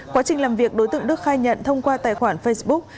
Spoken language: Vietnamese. quá trình làm việc đối tượng đức khai nhận thông qua tài khoản facebook